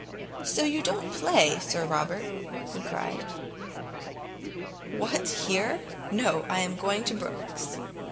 "So you don't play, Sir Robert?" he cried. "What, here? No, I am going to Brookes's."